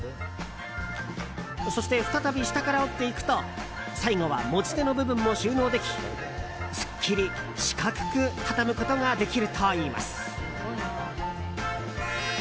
そして再び下から折っていくと最後は持ち手の部分も収納できすっきり四角く畳むことができるといいます。